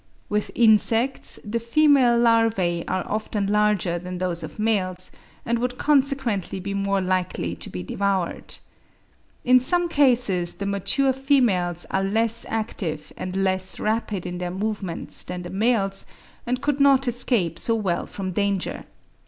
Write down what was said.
With insects the female larvae are often larger than those of the males, and would consequently be more likely to be devoured. In some cases the mature females are less active and less rapid in their movements than the males, and could not escape so well from danger.